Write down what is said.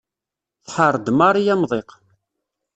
Tḥerr-d Mari amḍiq.